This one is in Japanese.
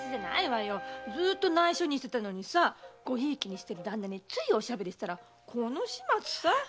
ずっと内緒にしてたのにご贔屓にしてる旦那についおしゃべりしたらこの始末さ。